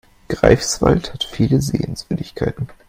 Greifswald hat viele Sehenswürdigkeiten